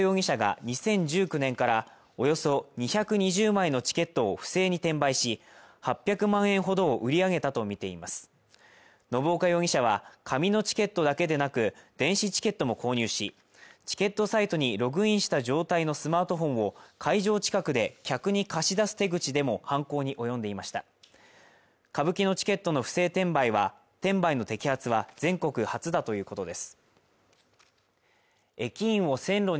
警視庁はの信岡容疑者が２０１９年からおよそ２２０枚のチケットを不正に転売し８００万円ほど売り上げたとみています信岡容疑者は紙のチケットだけでなく電子チケットも購入しチケットサイトにログインした状態のスマートフォンを会場近くで客に貸し出す手口でも犯行に及んでいました歌舞伎のチケットの不正転売の摘発は全国初だということです